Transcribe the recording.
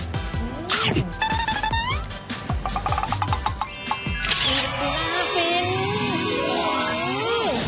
เฮ็ดซีร่าฟิล์น